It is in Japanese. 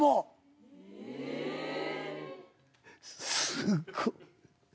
すごっ。